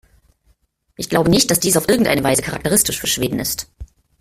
Ich glaube nicht, dass dies auf irgendeine Weise charakteristisch für Schweden ist.